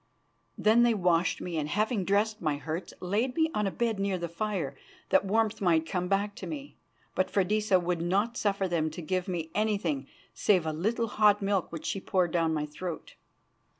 Then they washed me, and, having dressed my hurts, laid me on a bed near the fire that warmth might come back to me. But Freydisa would not suffer them to give me anything save a little hot milk which she poured down my throat.